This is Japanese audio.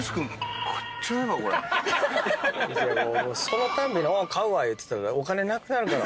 そのたんびにおう買うわ言うてたらお金なくなるから。